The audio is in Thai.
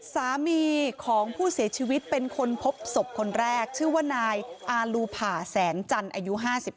สามีของผู้เสียชีวิตเป็นคนพบศพคนแรกชื่อว่านายอารูผ่าแสนจันทร์อายุ๕๕